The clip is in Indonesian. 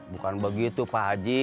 bukan begitu pak haji